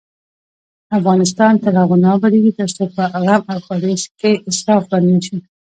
افغانستان تر هغو نه ابادیږي، ترڅو په غم او ښادۍ کې اسراف بند نشي.